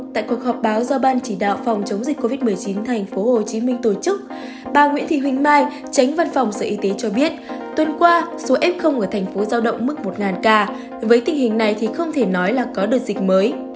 tại cuộc họp báo do ban chỉ đạo phòng chống dịch covid một mươi chín tp hcm tổ chức bà nguyễn thị huỳnh mai tránh văn phòng sở y tế cho biết tuần qua số f ở thành phố giao động mức một ca với tình hình này thì không thể nói là có đợt dịch mới